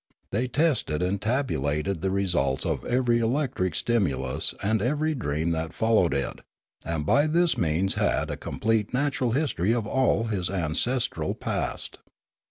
They tested and tabulated the results of every electric stimulus and every dream that followed it, and by this means had a complete natural history of all his ancestral past.